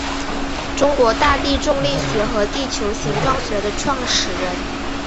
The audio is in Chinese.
中国大地重力学和地球形状学的创始人。